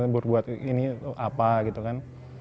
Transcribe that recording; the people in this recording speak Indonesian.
berbuat ini atau apa gitu kan